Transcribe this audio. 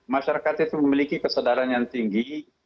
masyarakat itu memiliki kesadaran yang tinggi